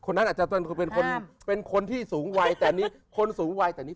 คนนั้นอาจจะเป็นคนที่สูงวัยแต่นิสัยเด็กพอได้